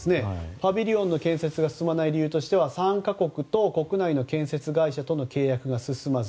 パビリオンの建設が進まない理由については参加国と国内の建設会社との契約が進まず。